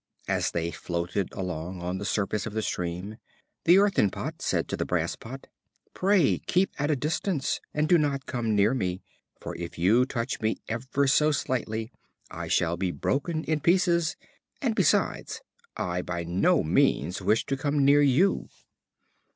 As they floated along on the surface of the stream, the Earthen Pot said to the Brass Pot: "Pray keep at a distance, and do not come near me, for if you touch me ever so slightly, I shall be broken in pieces; and besides, I by no means wish to come near you."